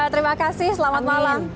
terima kasih selamat malam